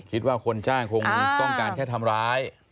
คิดว่าคนจ้างคงต้องการแค่ทำร้าย